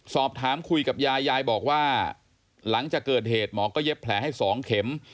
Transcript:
สอบถามคุยกับยายยายบอกว่าหลังจากเกิดเหตุหมอก็เย็บแผลให้๒เข็ม